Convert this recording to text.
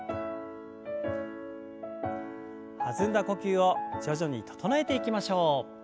弾んだ呼吸を徐々に整えていきましょう。